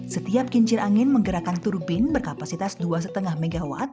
setiap kincir angin menggerakkan turbin berkapasitas dua lima mw